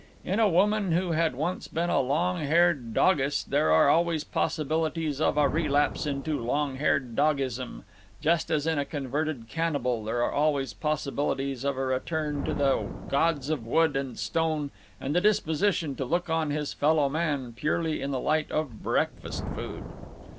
In a woman who had once been a long haired dogist there are always possibilities of a relapse into long haired dogism, just as in a converted cannibal there are always possibilities of a return to the gods of wood and stone and the disposition to look on his fellow man purely in the light of breakfast food.